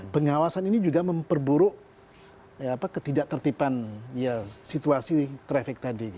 pengawasan ini juga memperburuk ketidak tertipan situasi traffic tadi